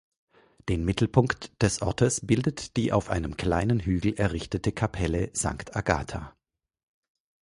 Den Mittelpunkt des Ortes bildet die auf einem kleinen Hügel errichtete Kapelle Sankt Agatha.